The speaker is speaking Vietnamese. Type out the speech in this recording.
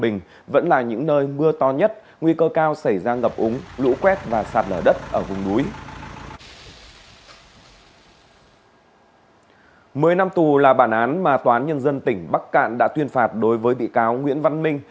một mươi năm tù là bản án mà tòa án nhân dân tỉnh bắc cạn đã tuyên phạt đối với bị cáo nguyễn văn minh